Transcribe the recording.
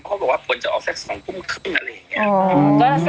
เพราะว่าผลจะออก๒ปุ้งขึ้นอะไรอย่างนี้